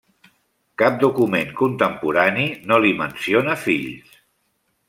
Cap document contemporani no li menciona fills.